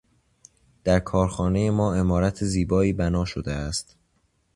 در کارخانهٔ ما عمارت زیبائی بناء شده است.